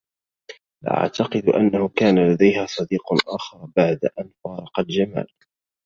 لا أعتقد أنه كان لديها صديق آخر بعد أن فارقت جمال.